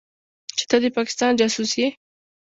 چې ته د پاکستان جاسوس يې.